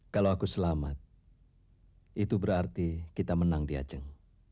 kalau aku selamat itu berarti kita menang di aceh